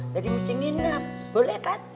jadi mesti nginep boleh kan